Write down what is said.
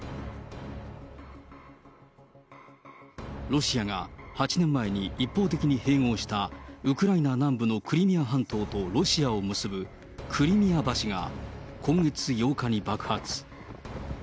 ロシアが８年前に一方的に併合した、ウクライナ南部のクリミア半島とロシアを結ぶクリミア橋が、今月８日に爆発。